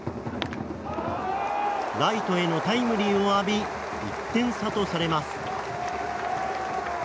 ライトへのタイムリーを浴び１点差とされます。